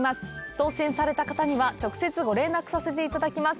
当せんされた方には直接、ご連絡させていただきます。